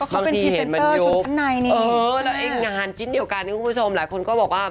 บางทีเห็นมันยุบเออแล้วไอ้งานจิ้นเดียวกันคุณผู้ชมหลายคนก็บอกว่า